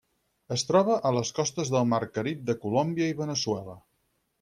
Es troba a les costes del mar Carib de Colòmbia i Veneçuela.